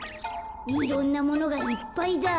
いろんなものがいっぱいだ。